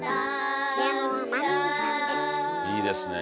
いいですねえ。